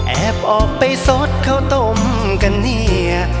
แอบออกไปสดเข้าตมกะเนีย